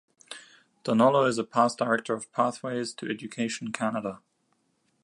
Donolo is a past director of Pathways to Education Canada.